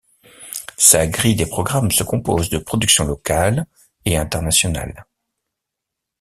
Sa grille des programmes se compose de productions locales et internationales.